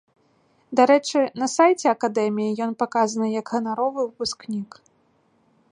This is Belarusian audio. Дарэчы, на сайце акадэміі ён паказаны як ганаровы выпускнік.